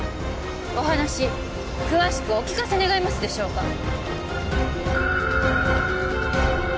お話詳しくお聞かせ願えますでしょうか